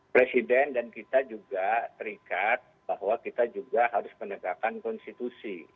presiden dan kita juga terikat bahwa kita juga harus menegakkan konstitusi